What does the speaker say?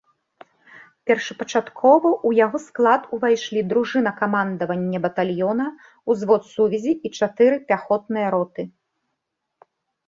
Першапачаткова ў яго склад увайшлі дружына камандавання батальёна, узвод сувязі і чатыры пяхотныя роты.